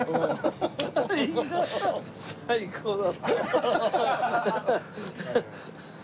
最高だ。